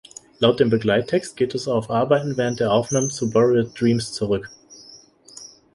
Laut dem Begleittext geht es auf Arbeiten während der Aufnahmen zu „Buried Dreams“ zurück.